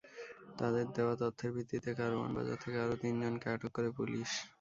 তাঁদের দেওয়া তথ্যের ভিত্তিতে কারওয়ান বাজার থেকে আরও তিনজনকে আটক করে পুলিশ।